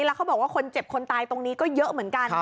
แล้วเขาบอกว่าคนเจ็บคนตายตรงนี้ก็เยอะเหมือนกัน